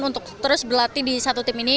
untuk terus berlatih di satu tim ini